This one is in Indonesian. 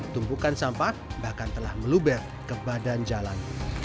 tumpukan sampah bahkan telah meluber ke badan jalan